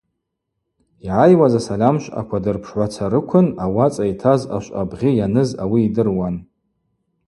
Йгӏайуаз асальамшвъаква дырпшгӏвацарыквын ауацӏа йтаз ашвъабгъьы йаныз ауи йдыруан.